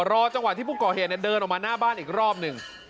รอจังหวะที่ผู้ก่อเหตุเดินออกมาหน้าบ้านอีกรอบหนึ่ง